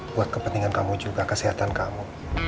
buat kepentingan kamu juga kesehatan kamu